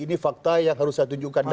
ini fakta yang harus saya tunjukkan